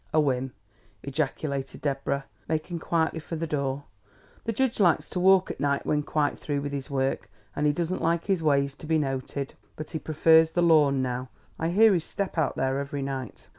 "A whim," ejaculated Deborah, making quietly for the door. "The judge likes to walk at night when quite through with his work; and he doesn't like his ways to be noted. But he prefers the lawn now. I hear his step out there every night."